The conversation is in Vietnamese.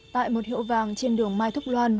tại một hiệu vàng trên đường mai thúc loan